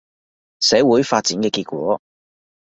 社會發展嘅結果